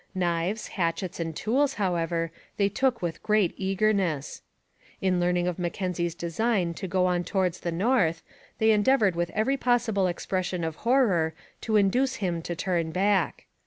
Knives, hatchets and tools, however, they took with great eagerness. On learning of Mackenzie's design to go on towards the north they endeavoured with every possible expression of horror to induce him to turn back.